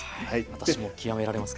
私も極められますか？